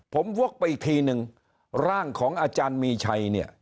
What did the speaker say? ผมวกไปอีกทีนึงร่างของอาจารย์มีชัยเนี่ย